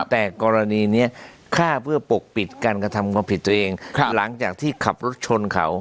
แต่กรณีนี้ฆ่าเพื่อปกปิดการกระทำความผิดตัวเองหลังจากที่ขับรถชนเขา